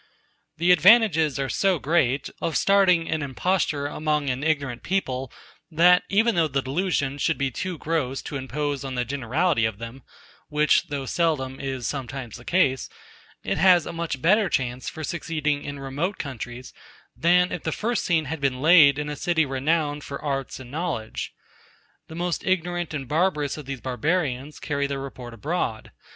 The advantages are so great, of starting an imposture among an ignorant people, that, even though the delusion should be too gross to impose on the generality of them (which, though seldom, is sometimes the case) it has a much better chance for succeeding in remote countries, than if the first scene had been laid in a city renowned for arts and knowledge. The most ignorant and barbarous of these barbarians carry the report abroad.